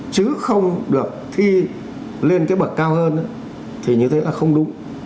chứ không được thi lên cái bậc cao hơn thì như thế là không đúng